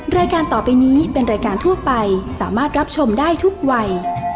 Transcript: รายการต่อไปนี้เป็นรายการทั่วไปสามารถรับชมได้ทุกวัย